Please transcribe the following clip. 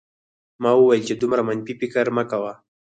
ما وویل چې دومره منفي فکر مه کوه